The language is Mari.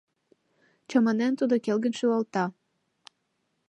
— Чаманен, тудо келгын шӱлалта.